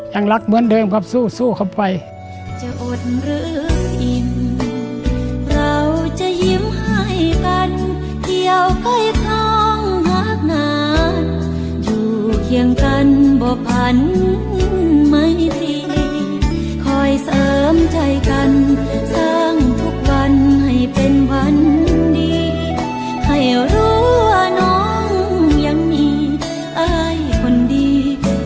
อย่างรักเหมือนเดิมครับสู้ครับไป